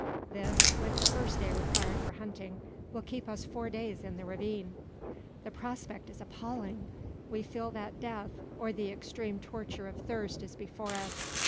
This, with the first day required for hunting, will keep us four days in the ravine! The prospect is appalling. We feel that death or the extreme torture of thirst is before us.